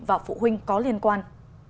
và phụ huynh có liên quan